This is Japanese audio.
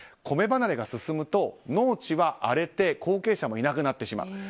米離れが進むと、農地は荒れて後継者もいなくなってしまう。